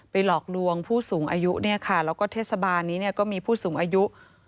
หลอกลวงผู้สูงอายุเนี่ยค่ะแล้วก็เทศบาลนี้ก็มีผู้สูงอายุ